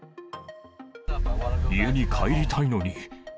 家に帰りたいのに。